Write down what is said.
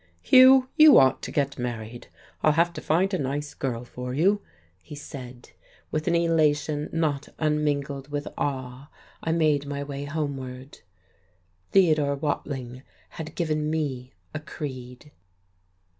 "Hugh, you ought to get married. I'll have to find a nice girl for you," he said. With an elation not unmingled with awe I made my way homeward. Theodore Watling had given me a creed.